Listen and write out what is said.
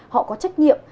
họ có trách nhiệm